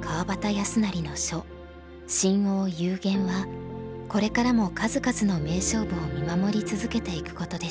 康成の書「深奥幽玄」はこれからも数々の名勝負を見守り続けていくことでしょう。